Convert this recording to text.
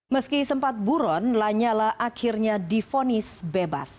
meski sempat buron lanyala akhirnya difonis bebas